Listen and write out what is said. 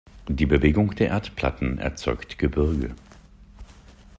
Die Bewegung der Erdplatten erzeugt Gebirge.